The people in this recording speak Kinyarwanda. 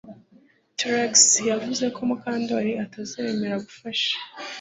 Trix yavuze ko Mukandoli atazemera gufasha